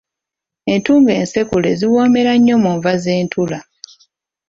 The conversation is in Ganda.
Entungo ensekule ziwoomera nnyo mu nva z’entula.